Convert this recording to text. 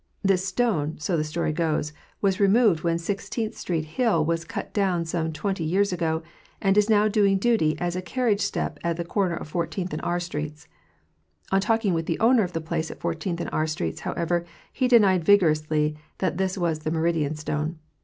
This stone, so the story goes, was removed when Sixteenth street hill was cut down some twenty years ago, and is now doing duty as a carriage step at the corner of Fourteenth and R streets. On talking with the owner of the place at Fourteenth and R streets, however, he denied vigorously that this was the Meridian stone.